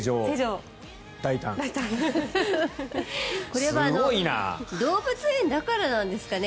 これは動物園だからなんですかね？